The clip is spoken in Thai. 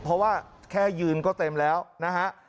เพราะว่าแค่ยืนก็เต็มแล้วนะฮะ